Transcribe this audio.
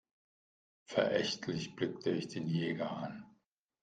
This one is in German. Verächtlich blickte ich den Jäger an.